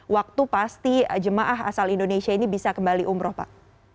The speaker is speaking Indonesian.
waktu pasti jemaah asal indonesia ini bisa kembali umroh pak